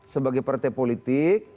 sebagai partai politik